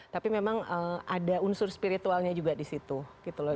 tapi memang ada unsur spiritualnya juga di situ gitu loh